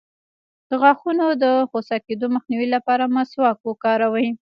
د غاښونو د خوسا کیدو مخنیوي لپاره مسواک وکاروئ